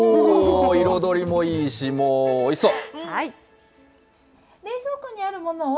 彩りもいいし、もうおいしそう！